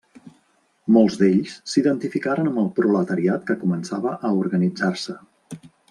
Molts d'ells s'identificaren amb el proletariat que començava a organitzar-se.